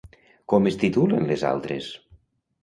Com es titulen les altres?